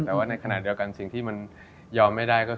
แต่ว่าในขณะเดียวกันสิ่งที่มันยอมไม่ได้ก็คือ